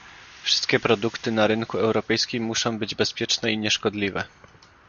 Wszystkie produkty na rynku europejskim musza być bezpieczne i nieszkodliwe